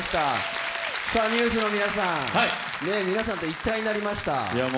ＮＥＷＳの皆さん、皆さんと一体になりました。